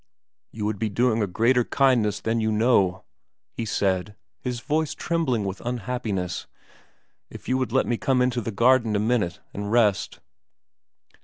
' You would be doing a greater kindness than you know,' he said, his voice trembling with unhappiness, ' if you would let me come into the garden a minute and rest.'